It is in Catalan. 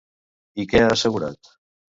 I què ha assegurat?